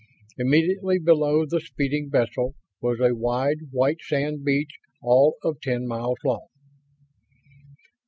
Immediately below the speeding vessel was a wide, white sand beach all of ten miles long.